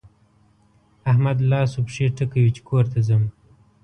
احمد لاس و پښې ټکوي چې کور ته ځم.